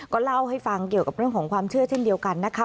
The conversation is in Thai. ก็เล่าให้ฟังเกี่ยวกับเรื่องของความเชื่อเช่นเดียวกันนะคะ